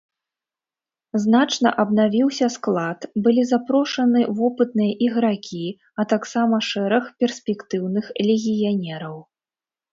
Значна абнавіўся склад, былі запрошаны вопытныя ігракі, а таксама шэраг перспектыўных легіянераў.